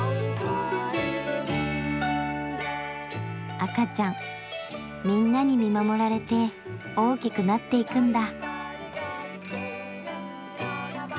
赤ちゃんみんなに見守られて大きくなっていくんだ。